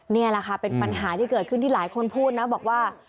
นี่แหละค่ะเป็นปัญหาที่เกิดขึ้นที่หลายคนพูดนะบอกว่า